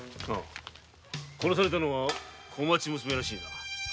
殺されたのは小町娘らしいな。